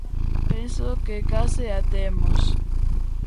Penso que case a temos.